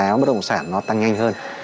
giá bất động sản nó tăng nhanh hơn